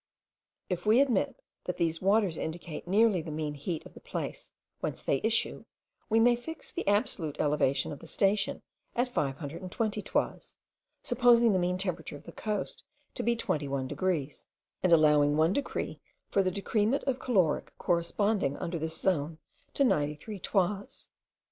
If we admit that these waters indicate nearly the mean heat of the place whence they issue, we may fix the absolute elevation of the station at 520 toises, supposing the mean temperature of the coast to be 21 degrees, and allowing one degree for the decrement of caloric corresponding under this zone to 93 toises.